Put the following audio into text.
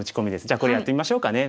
じゃあこれやってみましょうかね。